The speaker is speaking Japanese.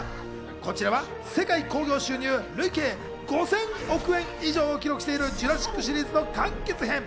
こちらは世界興行収入累計５０００億円以上を記録している『ジュラシック』シリーズの完結編。